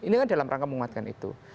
ini kan dalam rangka menguatkan itu